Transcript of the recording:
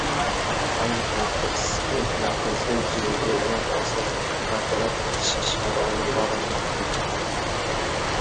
Ayni paytda issiqlik markazida yuzaga kelgan nosozlikni bartaraf etish ishlari olib borilmoqda